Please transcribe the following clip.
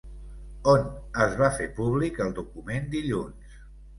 On es va fer públic el document dilluns?